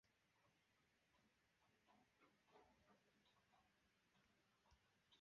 Huawei isitish funksiyasiga ega aqlli sharfni taqdim etdi